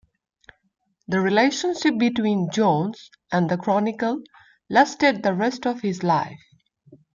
The relationship between Jones and the "Chronicle" lasted the rest of his life.